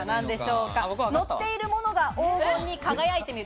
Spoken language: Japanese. のっているものが黄金に輝いて見える。